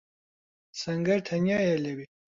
سەنگەر تەنیایە لەوێ.